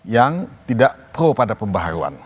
yang tidak pro pada pembaharuan